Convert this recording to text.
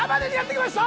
来ました。